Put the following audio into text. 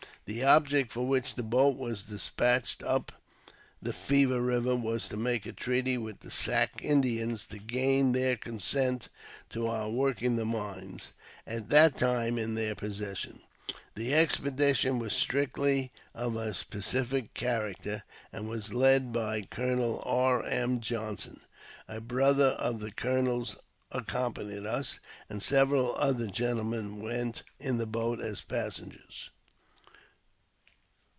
The object for which the boat was despatched up the Fever Eiver was to make a treaty with the Sac Indians, to gain their consent to our working the mines, at that time in their possession. The expedition was strictly of a pacific character, and was led by Colonel E. M. Johnson. A brother of the colonel's accompanied us, and several other gentlemen went in the boat as passengers.